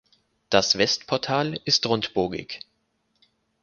Das Westportal ist rundbogig.